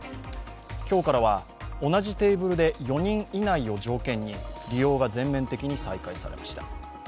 今日からは、同じテーブルで４人以内を条件に利用が全面的に再開されました。